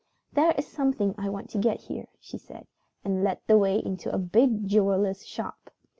"There is something I want to get here," she said, and led the way into a big jeweler's shop.